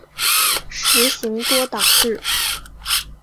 实行多党制。